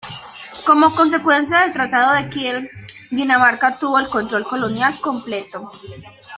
Como consecuencia del Tratado de Kiel, Dinamarca obtuvo el control colonial completo.